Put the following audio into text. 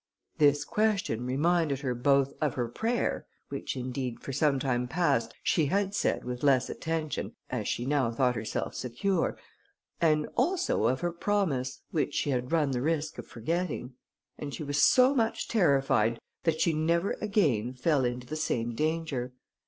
This question reminded her both of her prayer, which, indeed, for some time past, she had said with less attention, as she now thought herself secure, and also of her promise, which she had run the risk of forgetting; and she was so much terrified that she never again fell into the same danger.